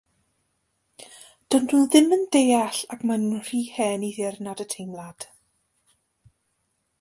Dydyn nhw ddim yn deall ac maen nhw'n rhy hen i ddirnad y teimlad.